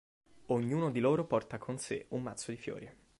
Ognuno di loro porta con sé un mazzo di fiori.